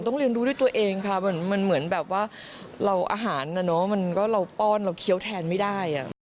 อ้อนเราเคี้ยวแทนไม่ได้